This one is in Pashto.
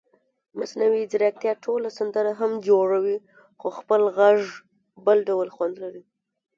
مصنوعي ځیرکتیا ټوله سندره هم جوړوي خو خپل غږ بل ډول خوند لري.